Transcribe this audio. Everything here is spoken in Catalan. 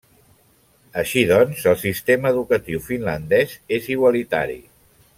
Així doncs, el sistema educatiu finlandès és igualitari.